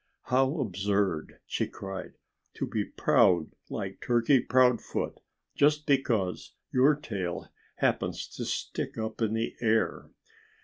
How absurd," she cried, "to be proud like Turkey Proudfoot, just because your tail happens to stick up in the air.